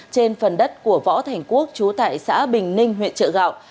trên phần đất của võ thành quốc chú tại xã bình ninh huyện trợ gạo